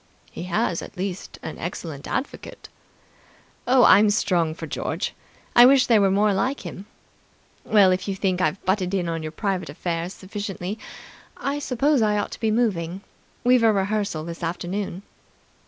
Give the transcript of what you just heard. "He has at least an excellent advocate." "Oh, I'm strong for George. I wish there were more like him ... Well, if you think I've butted in on your private affairs sufficiently, I suppose I ought to be moving. We've a rehearsal this afternoon."